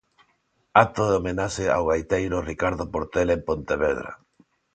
Acto de homenaxe ao gaiteiro Ricardo Portela en Pontevedra.